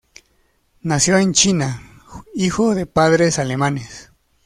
Nació en China, hijo de padres alemanes.